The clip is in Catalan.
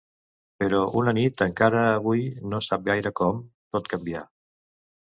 Però una nit, encara avui no sap gaire com, tot canvia.